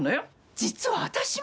実は私も！